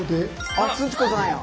あっすち子さんやん！